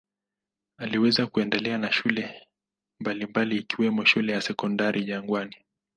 Aliweza kuendelea na shule mbalimbali ikiwemo shule ya Sekondari Jangwani.